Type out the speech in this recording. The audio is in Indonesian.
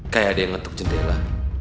kayak ada yang ngetuk jendela